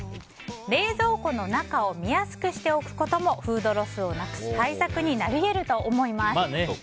冷蔵庫の中を見やすくしておくこともフードロスをなくす対策になると思います。